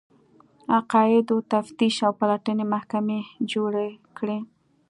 عقایدو تفتیش او پلټنې محکمې جوړې کړې